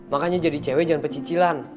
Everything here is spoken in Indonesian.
makanya jadi cewek jangan pecicilan